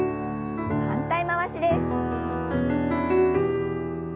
反対回しです。